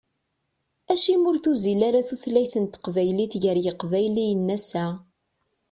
Acimi ur tuzzil ara tutlayt n teqbaylit gar yiqbayliyen ass-a?